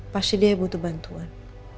pasti dia butuh bantuan